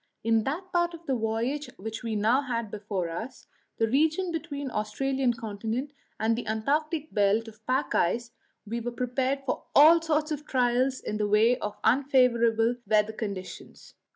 In that part of the voyage which we now had before us the region between the Australian continent and the Antarctic belt of pack ice we were prepared for all sorts of trials in the way of unfavourable weather conditions.